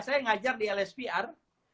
saya ngajar di lspr